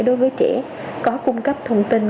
đối với trẻ có cung cấp thông tin